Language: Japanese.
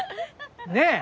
ねえ！